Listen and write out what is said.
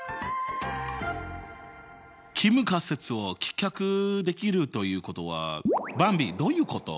帰無仮説を棄却できるということはばんびどういうこと？